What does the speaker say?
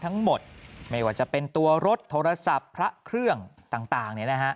ทั้งหมดไม่ว่าจะเป็นตัวรถโทรศัพท์พระเครื่องต่าง